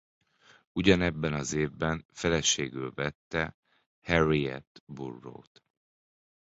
Ugyanebben az évben feleségül vette Harriet Burrow-t.